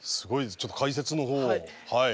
ちょっと解説の方を。